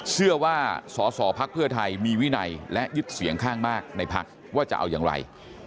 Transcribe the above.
เชื่อว่าสสพไทยมีวินัยและยึดเสี่ยงข้างมากในพักว่าจะเอายังไร